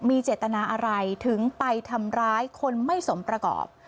มีเจตนาอะไรถึงไปทำร้ายคนไม่สมประกอบ